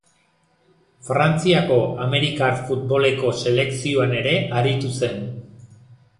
Frantziako amerikar futboleko selekzioan ere aritu zen.